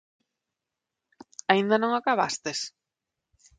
Aínda non acabastes?